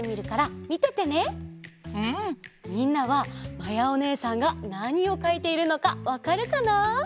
みんなはまやおねえさんがなにをかいているのかわかるかな？